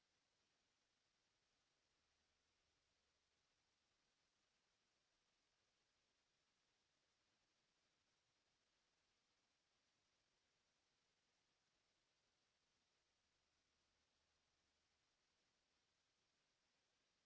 โปรดติดตามต่อไป